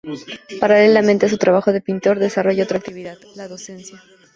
Paralelamente a su trabajo de pintor, desarrolla otra actividad, la docencia.